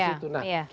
atau permainan ya